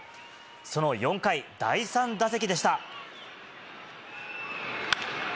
その４回、第３打席でした。